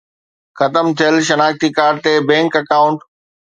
ختم ٿيل شناختي ڪارڊ تي بينڪ اڪائونٽ